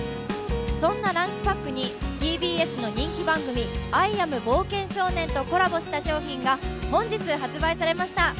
そんなランチパックにＴＢＳの人気番組「アイ・アム・冒険少年」とコラボした商品が本日発売されました。